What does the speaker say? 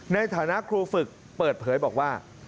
ในฐานะครูฝึกเปิดเผยบอกว่า